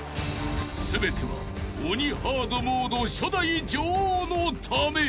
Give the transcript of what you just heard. ［全ては鬼ハードモード初代女王のため］